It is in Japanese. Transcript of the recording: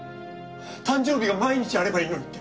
誕生日が毎日あればいいのにって。